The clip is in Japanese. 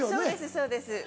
そうです。